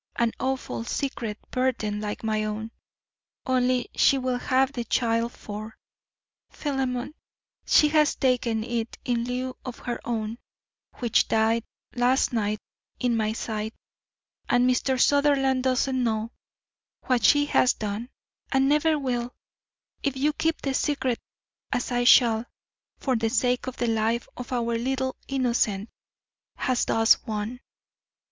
An awful, secret burden like my own, only she will have the child for, Philemon, she has taken it in lieu of her own, which died last night in my sight; and Mr. Sutherland does not know what she has done, and never will, if you keep the secret as I shall, for the sake of the life our little innocent has thus won.